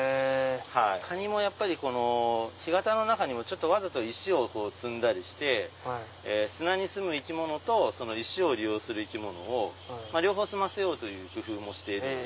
カニもやっぱり干潟の中にわざと石を積んだりして砂にすむ生き物と石を利用する生き物を両方すまわせようという工夫もしているので。